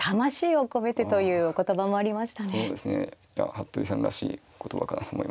服部さんらしい言葉かなと思います。